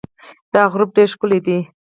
دا غروب ډېر ښکلی دی.